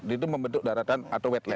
itu membentuk daratan atau wetland